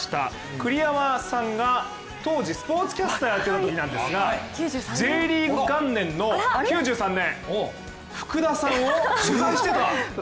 栗山さんが当時スポーツキャスターをやってたときなんですがＪリーグ元年の９３年福田さんを取材していた。